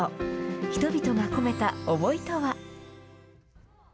人々が込めた思いとは。